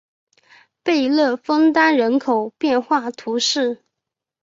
贝勒枫丹人口变化图示